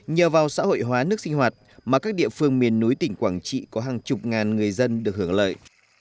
nhờ vào xã hội hóa nước sinh hoạt mà các địa phương miền núi tỉnh quảng trị có hàng chục ngàn người dân được hưởng lợi